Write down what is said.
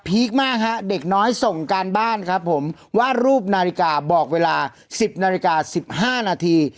คมากฮะเด็กน้อยส่งการบ้านครับผมวาดรูปนาฬิกาบอกเวลา๑๐นาฬิกา๑๕นาที